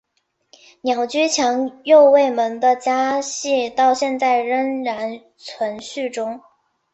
鸟居强右卫门的家系到现在仍然存续中。